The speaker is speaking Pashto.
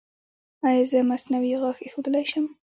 ایا زه مصنوعي غاښ ایښودلی شم؟